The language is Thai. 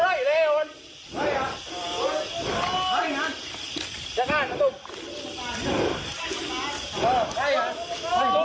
สวัสดีครับทุกคน